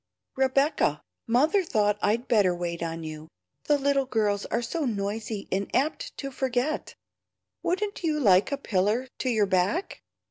"Rebecca. Mother thought I'd better wait on you; the little girls are so noisy and apt to forget. Wouldn't you like a piller to your back?